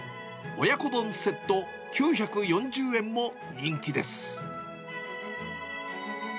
親子丼セット９４０円も人気です。